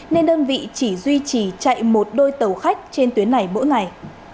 nên đơn vị chỉ duy trì chạy một đôi tàu khách trên tuyến này mỗi ngày